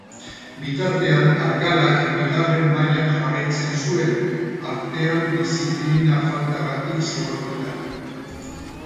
Bitartean, Argalak bigarren mailan jarraitzen zuen, artean diziplina faltagatik zigortuta.